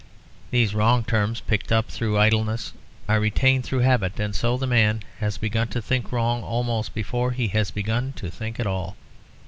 These wrong terms picked up through idleness are retained through habit, and so the man has begun to think wrong almost before he has begun to think at all.